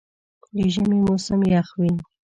د ژمي موسم یخ وي.